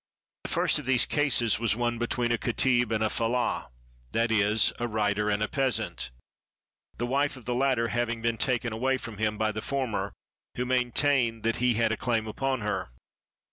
The first of these cases was one between a katih and a fellah, — that is, a writer and a peasant, — the wife of the latter having been taken away from him by the former, who maintained that he had a claim upon her.